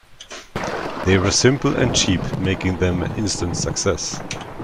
They were simple and cheap making them an instant success.